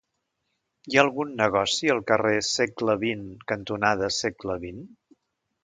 Hi ha algun negoci al carrer Segle XX cantonada Segle XX?